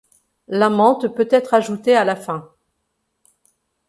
La menthe peut être ajoutée à la fin.